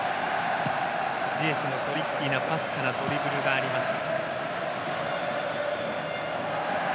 ジエシュのトリッキーなパスからドリブルがありました。